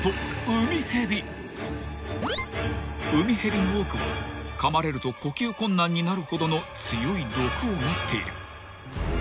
［ウミヘビの多くはかまれると呼吸困難になるほどの強い毒を持っている］